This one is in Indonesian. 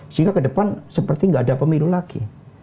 sehingga ke depan seperti nggak ada pemilu lagi